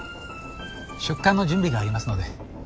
出棺の準備がありますので。